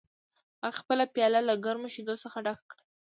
هغه خپله پیاله له ګرمو شیدو څخه ډکه کړه